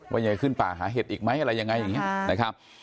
ว่ายังไงขึ้นป่าหาเห็ดอีกไหมอะไรยังไงอย่างนี้นะครับ